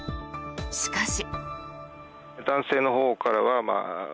しかし。